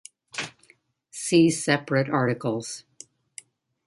"See separate articles:"